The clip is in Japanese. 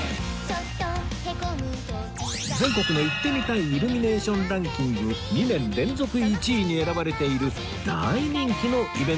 「全国の行ってみたいイルミネーションランキング」２年連続１位に選ばれている大人気のイベントなんです